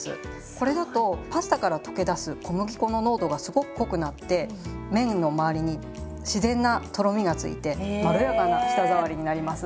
これだとパスタから溶け出す小麦粉の濃度がすごく濃くなって麺のまわりに自然なとろみがついてまろやかな舌触りになります。